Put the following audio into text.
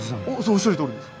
おっしゃるとおりです。